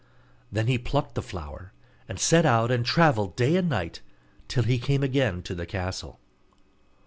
Then he plucked the flower, and set out and travelled day and night, till he came again to the castle.